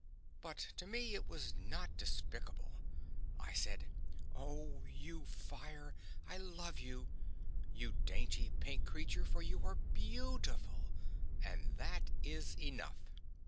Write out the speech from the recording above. But to me it was not despicable; I said, "Oh, you fire, I love you, you dainty pink creature, for you are BEAUTIFUL and that is enough!"